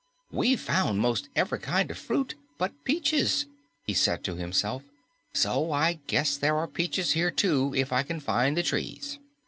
"We've found 'most ev'ry kind of fruit but peaches," he said to himself, "so I guess there are peaches here, too, if I can find the trees."